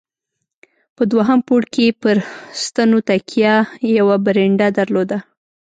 په دوهم پوړ کې یې پر ستنو تکیه، یوه برنډه درلوده.